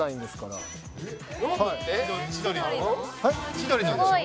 千鳥のでしょ？